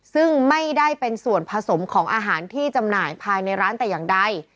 ซึ่งไม่ได้เป็นส่วนผสมของอาหารที่จำหน่ายภายในร้านแต่อย่างใด